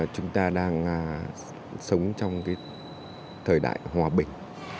chúng ta đang sống trong thời đại hòa bình